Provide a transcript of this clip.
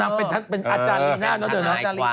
อ๋อนางเป็นอาจารย์อีกหน่อยกว่า